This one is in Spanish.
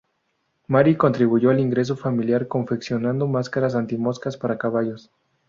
Mary contribuyó al ingreso familiar confeccionando máscaras anti-moscas para caballos.